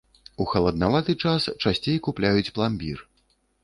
У халаднаваты час часцей купляюць пламбір.